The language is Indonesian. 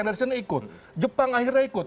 anderson ikut jepang akhirnya ikut